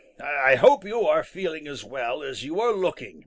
"I hope you are feeling as well as you are looking, Mr. Bear."